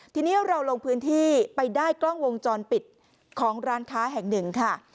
ทีนี้เราลงพื้นที่ไปได้กล้องวงจรปิดของร้านค้าแห่งหนึ่งค่ะ